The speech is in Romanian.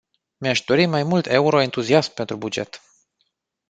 Mi-aș dori mai mult euroentuziasm pentru buget.